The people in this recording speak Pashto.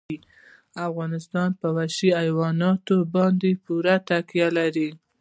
افغانستان په وحشي حیواناتو باندې پوره تکیه لري.